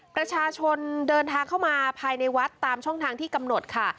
ประชาชนเดินทางเข้ามาภายในวัดตามช่องทางที่กำหนดค่ะ